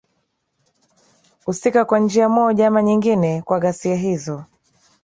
usika kwa njia moja ama nyengine kwa ghasia hizo